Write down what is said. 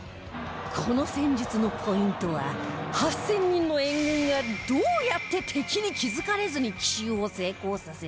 この戦術のポイントは８０００人の援軍がどうやって敵に気付かれずに奇襲を成功させたか